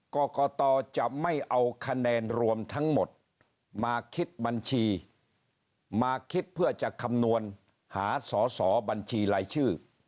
กรกตจะไม่เอาคะแนนรวมทั้งหมดมาคิดบัญชีมาคิดเพื่อจะคำนวณหาสอสอบัญชีรายชื่อ